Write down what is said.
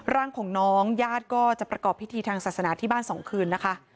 ร่างของน้องญาติก็จะประกอบพิธีทางศาสนาที่บ้าน๒คืนนะคะ